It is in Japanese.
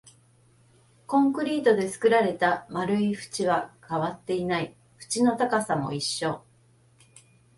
コンクリートで作られた丸い縁は変わっていない、縁の高さも一緒